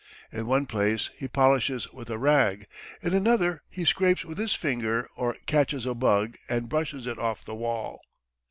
In one place he polishes with a rag, in another he scrapes with his finger or catches a bug and brushes it off the wall.